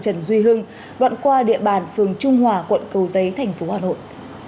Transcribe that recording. tại đường trần duy hưng đoạn qua địa bàn phường trung hòa quận cầu giấy thành phố hà nội